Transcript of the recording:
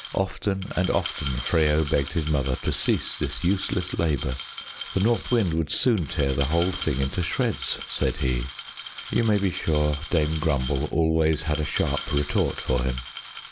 Often and often Freyo begged his mother to cease this useless labor. The North Wind would soon tear the whole thing into shreds, said he. You may be sure Dame Grumble always had a sharp retort for him.